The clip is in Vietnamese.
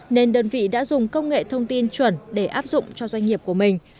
nên đơn vị đã dùng công nghệ thông tin chuẩn để áp dụng cho doanh nghiệp của mình